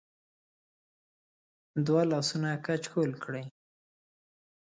د وه لاسونه کچکول کړی